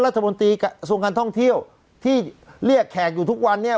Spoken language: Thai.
รัฐมนตรีกระทรวงการท่องเที่ยวที่เรียกแขกอยู่ทุกวันเนี่ย